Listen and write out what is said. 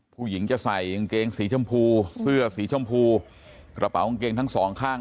ผู้หญิงจะใส่กางเกงสีชมพูเสื้อสีชมพูกระเป๋ากางเกงทั้งสองข้าง